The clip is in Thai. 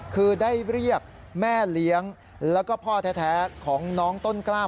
คือได้เรียกแม่เลี้ยงแล้วก็พ่อแท้ของน้องต้นกล้าม